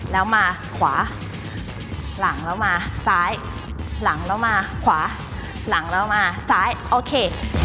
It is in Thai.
แล้วมาขวาหลังแล้วมาซ้ายหลังแล้วมาขวาหลังแล้วมาซ้ายโอเค